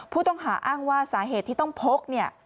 ผู้ต้องหาอ้างว่าสาเหตุที่ต้องพกเนี่ย